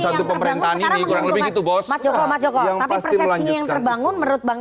bentuk pemerintahan ini kurang lebih itu bos masjid masjid masjid yang terbangun menurut bang